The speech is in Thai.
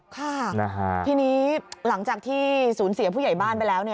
ค่ะทีนี้หลังจากที่สูญเสียผู้ใหญ่บ้านไปแล้ว